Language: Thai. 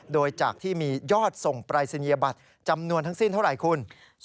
โดยจากที่มียอดส่งปรายศนียบัตรจำนวนทั้งสิ้นเท่าไหร่คุณ